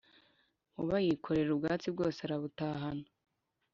Nkuba yikorera ubwatsi bwose arabutahana